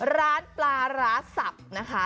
ร้านปลาร้าสับนะคะ